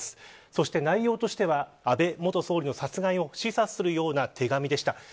そして、内容としては安倍元総理の殺害を示唆するような手紙でした。